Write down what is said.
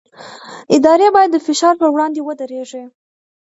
ادارې باید د فشار پر وړاندې ودرېږي